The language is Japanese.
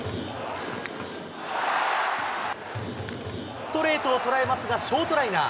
ストレートを捉えますが、ショートライナー。